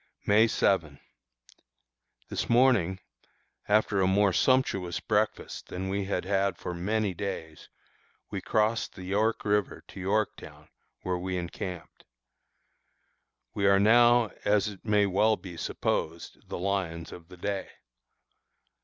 May 7. This morning, after a more sumptuous breakfast than we had had for many days, we crossed the York River to Yorktown, where we encamped. We are now, as it may well be supposed, the "lions of the day."